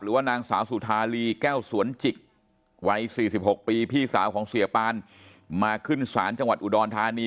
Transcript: ว่านางสาวสุธาลีแก้วสวนจิกวัย๔๖ปีพี่สาวของเสียปานมาขึ้นศาลจังหวัดอุดรธานี